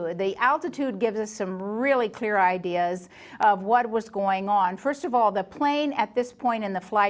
dan kemudian sudah diberitakan bahwa ada masalah yang akan menyerang